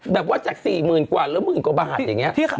แบบว่าจาก๔๐๐๐กว่าหรือหมื่นกว่าบาทอย่างนี้